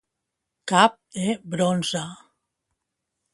Cap de bronze.